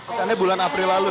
pesannya bulan april lalu